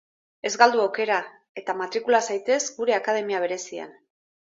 Ez galdu aukera, eta matrikula zaitez gure akademia berezian.